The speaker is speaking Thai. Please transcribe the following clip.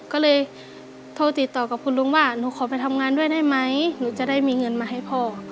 ก็เลยโทรติดต่อกับคุณลุงว่าหนูขอไปทำงานด้วยได้ไหมหนูจะได้มีเงินมาให้พ่อ